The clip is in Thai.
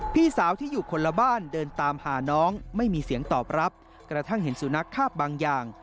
พี่สาวที่อยู่คนละบ้านเดินตามหาน้องไม่มีเสียงตอบรับกระทั่งเห็นสุนัขคาบบางอย่าง